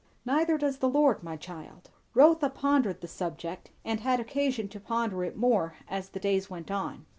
"Neither does the Lord, my child." Rotha pondered the subject, and had occasion to ponder it more as the days went on.